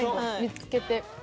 見つけて。